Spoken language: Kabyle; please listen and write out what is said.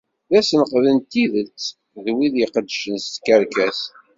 D asenqed n tidet d wid iqeddcen s tkerkas.